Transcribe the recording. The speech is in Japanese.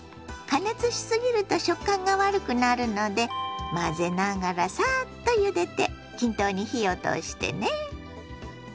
加熱しすぎると食感が悪くなるので混ぜながらサーッとゆでて均等に火を通してね。